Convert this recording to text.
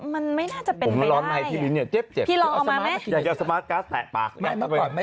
มันไม่น่าจะเป็นไปได้